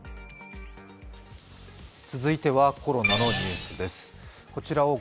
続いてはコロナのニュースです。